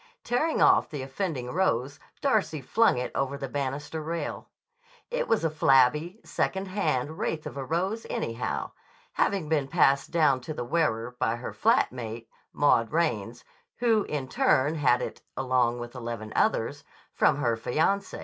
Tearing off the offending rose Darcy flung it over the banister rail. It was a flabby, second hand wraith of a rose, anyhow, having been passed down to the wearer by her flat mate, Maud Raines, who in turn had it, along with eleven others, from her fiancé.